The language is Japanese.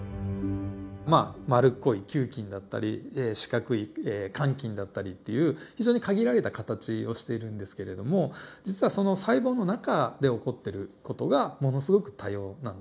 まあ丸っこい球菌だったり四角い桿菌だったりっていう非常に限られた形をしているんですけれども実はその細胞の中で起こっている事がものすごく多様なんですね。